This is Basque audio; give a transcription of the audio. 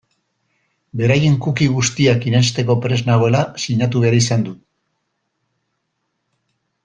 Beraien cookie guztiak irensteko prest nagoela sinatu behar izan dut.